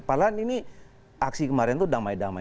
padahal ini aksi kemarin itu damai damai